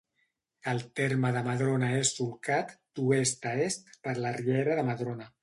El terme de Madrona és solcat, d'oest a est per la Riera de Madrona.